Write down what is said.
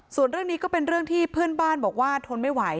ส่วนเรื่องนี้ก็เป็นเรื่องที่เพื่อนบ้านบอกว่าทนไม่ไหว